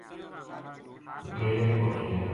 ڈیرے پوہچیا